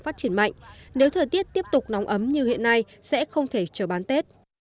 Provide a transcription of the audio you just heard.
phát triển mạnh nếu thời tiết tiếp tục nóng ấm như hiện nay sẽ không thể chờ bán tết